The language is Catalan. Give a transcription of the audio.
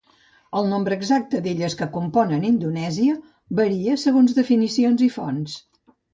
El nombre exacte d'illes que comprenen Indonèsia varia segons definicions i fonts.